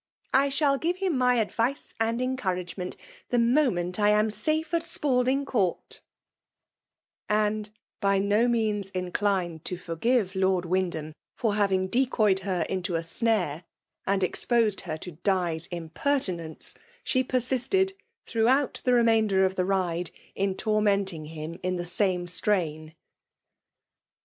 I shall give him my advice and encouragement, the moment I am safe at Spalding Court" And, by no means inclined to forgive Lord Wyndham for having decoyed her into a snare and exposed her to Di*s im* FRMALE DOMINATION. 271 pertinence, she persisted, throughout the re mainder of the ride^ in tormenting him in tlie same strain.